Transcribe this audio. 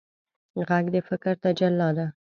غږ د فکر تجلی ده